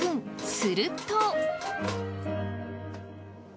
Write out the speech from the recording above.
すると。